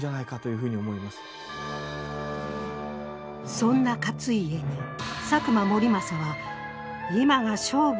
そんな勝家に佐久間盛政は今が勝負の時と訴えていた。